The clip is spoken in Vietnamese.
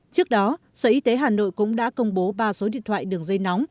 trước đó sở y tế hà nội cũng đã công bố ba số điện thoại đường dây nóng